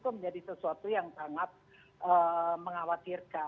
oke dan saya memondersi